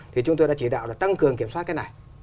thì chúng tôi đã chỉ đạo là tăng cường kiểm soát cái này